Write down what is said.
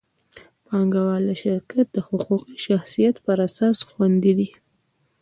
پانګهوال د شرکت د حقوقي شخصیت پر اساس خوندي دي.